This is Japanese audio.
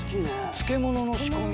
漬物の仕込み。